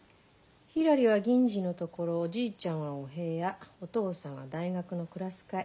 ひらりは銀次のところおじいちゃんはお部屋お父さんは大学のクラス会。